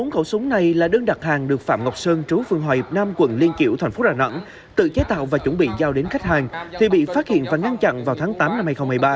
bốn khẩu súng này là đơn đặt hàng được phạm ngọc sơn trú phương hòa hiệp nam quận liên kiểu tp đà nẵng tự chế tạo và chuẩn bị giao đến khách hàng thì bị phát hiện và ngăn chặn vào tháng tám năm hai nghìn một mươi ba